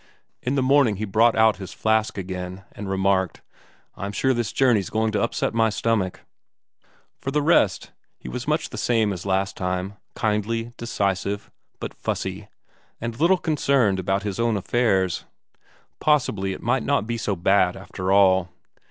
In the morning, he brought out his flask again, and remarked: "I'm sure this journey's going to upset my stomach." For the rest, he was much the same as last time, kindly, decisive, but fussy, and little concerned about his own affairs. Possibly it might not be so bad after all.